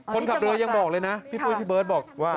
คนขับเรือยังบอกเลยนะพี่ปุ้ยพี่เบิร์ตบอกว่า